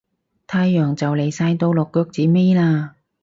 太陽就嚟晒到落腳子尾喇